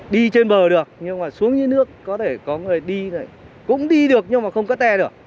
đi trên bờ được nhưng mà xuống dưới nước có thể có người đi cũng đi được nhưng mà không có te được